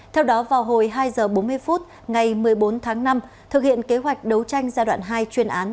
theo đó vào hồi hai h bốn mươi phút ngày một mươi bốn tháng năm thực hiện kế hoạch đấu tranh giai đoạn hai chuyên án